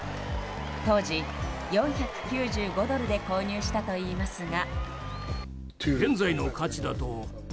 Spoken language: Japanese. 当時、４９５ドルで購入したといいますが。